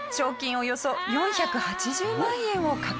およそ４８０万円を獲得。